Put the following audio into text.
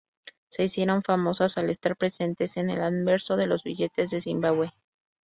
Se hicieron famosas al estar presentes en el anverso de los billetes de Zimbabwe.